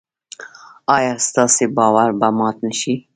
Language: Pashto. ایا ستاسو باور به مات نشي؟